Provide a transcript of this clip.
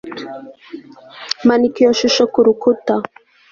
manika iyo shusho kurukuta